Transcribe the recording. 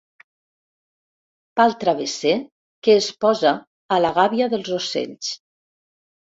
Pal travesser que es posa a la gàbia dels ocells.